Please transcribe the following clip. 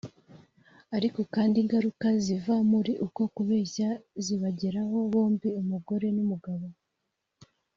ariko kandi ingaruka ziva muri uko kubeshya zibageraho bombi umugore n’umugabo